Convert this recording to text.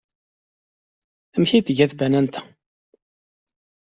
Amek ay tga tbanant-a?